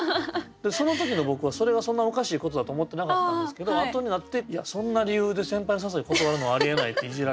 その時の僕はそれがそんなおかしいことだと思ってなかったんですけどあとになってそんな理由で先輩の誘いを断るのはありえないっていじられて。